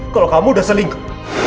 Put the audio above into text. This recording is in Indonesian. kalau kamu udah selingkuh